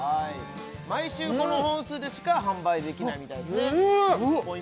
毎週この本数でしかうんっ販売できないみたいですねすごい！